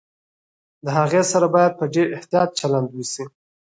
د هغې سره باید په ډېر احتياط چلند وشي